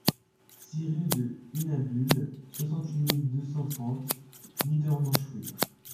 six rue de Huhnabuhl, soixante-huit mille deux cent trente Niedermorschwihr